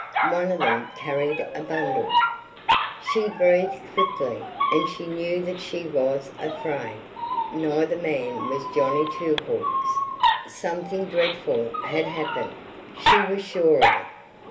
One of them carried a bundle. She breathed quickly, and she knew that she was afraid. Neither man was Johnny Two Hawks. Something dreadful had happened; she was sure of it.